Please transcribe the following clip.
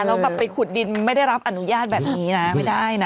แล้วแบบไปขุดดินไม่ได้รับอนุญาตแบบนี้นะไม่ได้นะ